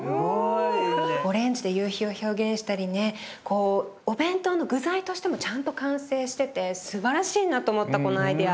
オレンジで夕日を表現したりねこうお弁当の具材としてもちゃんと完成しててすばらしいなと思ったこのアイデア。